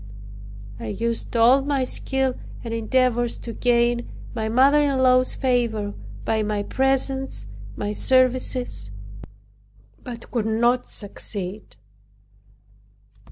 I used all my skill and endeavors to gain my mother in law's favor by my presents, my services; but could not succeed.